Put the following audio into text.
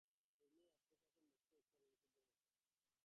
ঊর্মির এই আত্মশাসন মস্ত একটা ঋণশোধের মতো।